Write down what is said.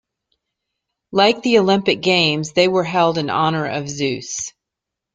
Like the Olympic Games, they were held in honour of Zeus.